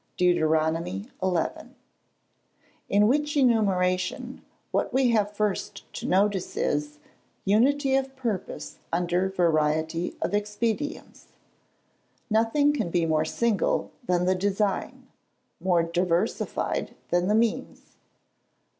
DEUTERONOMY XI.] In which enumeration, what we have first to notice is, unity of purpose under variety of expedients. Nothing can be more single than the design; more diversified than the means.